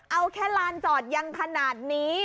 เอาแค่ลานจอดยังขนาดนี้